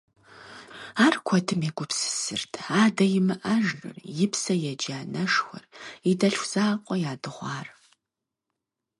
Ар куэдым егупсысырт: адэ имыӀэжыр, и псэ еджэ анэшхуэр, и дэлъху закъуэ ядыгъуар.